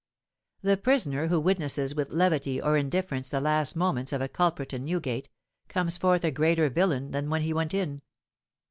The prisoner who witnesses with levity or indifference the last moments of a culprit in Newgate, comes forth a greater villain than when he went in.